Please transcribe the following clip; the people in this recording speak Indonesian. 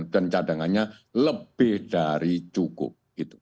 dan cadangannya lebih dari cukup